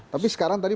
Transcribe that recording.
tapi sekarang tidak